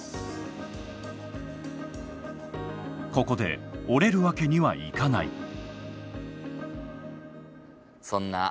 ここで折れるわけにはいかない。